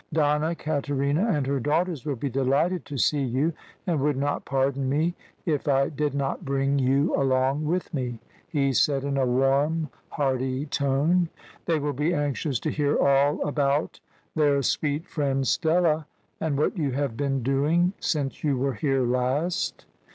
"Donna Caterina and her daughters will be delighted to see you, and would not pardon me if I did not bring you along with me," he said in a warm, hearty tone. "They will be anxious to hear all about their sweet friend Stella, and what you have been doing since you were here last.